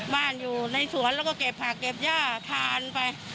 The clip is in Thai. อยู่ในสวนแล้วก็เก็บผักเก็บย่าทานไป